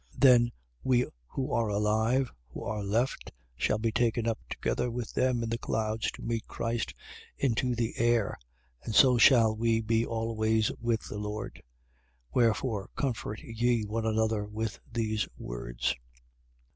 4:16. Then we who are alive, who are left, shall be taken up together with them in the clouds to meet Christ, into the air: and so shall we be always with the Lord. 4:17. Wherefore, comfort ye one another with these words.